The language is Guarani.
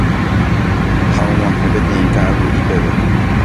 ha og̃uahẽ peteĩ ka'aguy'i peve